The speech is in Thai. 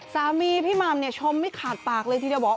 สามีพี่หม่ำเนี่ยชมไม่ขาดปากเลยทีเดียวบอก